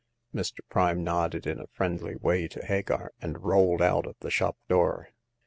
Mr. Prime nodded in a friendly way to Hagar, and rolled out of the shop door.